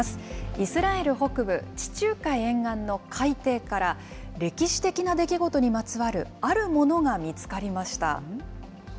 イスラエル北部、地中海沿岸の海底から、歴史的な出来事にまつわる、あるものが見つかりました。